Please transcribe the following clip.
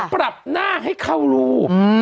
ปรับหน้าให้เข้ารูป